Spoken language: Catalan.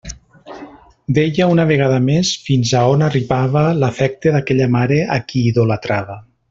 Veia una vegada més fins a on arribava l'afecte d'aquella mare a qui idolatrava.